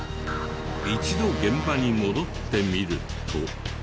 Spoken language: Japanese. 一度現場に戻ってみると。